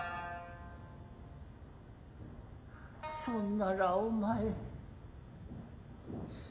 そんならお前